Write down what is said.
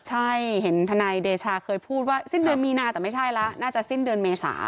ใช่เห็นทนายเดชาเคยพูดว่าสิ้นเดือนมีนาแต่ไม่ใช่แล้วน่าจะสิ้นเดือนเมษา